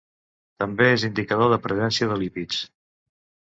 També és indicador de presència de lípids.